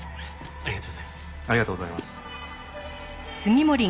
ありがとうございます。